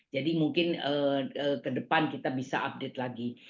jadi mungkin ke depan kita bisa update lagi